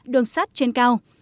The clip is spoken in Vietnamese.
đường sát trên cao